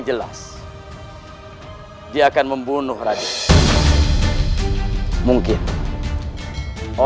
keponakan ku tercinta